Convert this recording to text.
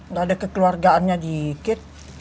nggak ada kekeluargaannya dikit